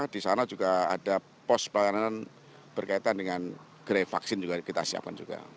di sana juga ada pos pelayanan berkaitan dengan gerai vaksin juga kita siapkan juga